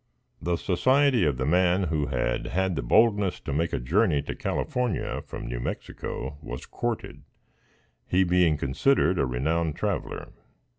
The society of the man who had had the boldness to make a journey to California from New Mexico was courted, he being considered a renowned traveler.